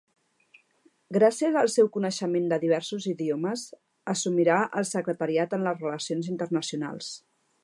Gràcies al seu coneixement de diversos idiomes, assumirà el Secretariat en les Relacions Internacionals.